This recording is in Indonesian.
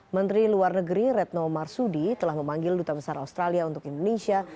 menteri luar negeri retno marsudi telah memanggil duta besar australia untuk indonesia